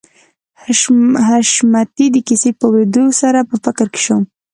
حشمتي د کيسې په اورېدو سره په فکر کې شو